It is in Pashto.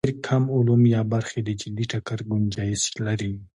ډېر کم علوم یا برخې د جدي ټکر ګنجایش لري.